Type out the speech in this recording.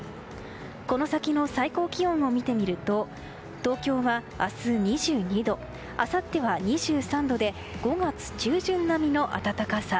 この先の最高気温を見てみると東京は明日２２度あさっては２３度で５月中旬並みの暖かさ。